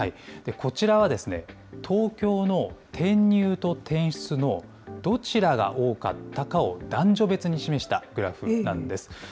こちらは、東京の転入と転出のどちらが多かったかを男女別に示したグラフなんです。